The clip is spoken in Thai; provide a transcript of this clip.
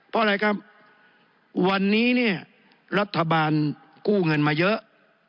เพราะอะไรครับวันนี้เนี่ยรัฐบาลกู้เงินมาเยอะ